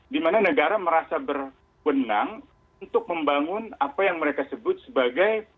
dimana negara merasa berwenang untuk membangun apa yang mereka sebut sebagai